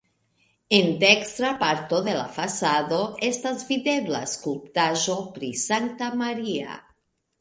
En dekstra parto de la fasado estas videbla skulptaĵo pri Sankta Maria.